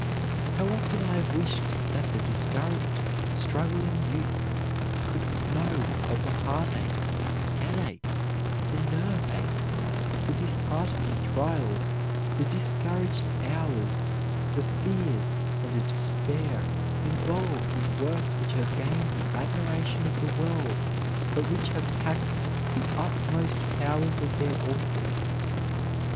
How often I have wished that the discouraged, struggling youth could know of the heartaches, the headaches, the nerve aches, the disheartening trials, the discouraged hours, the fears and despair involved in works which have gained the admiration of the world, but which have taxed the utmost powers of their authors.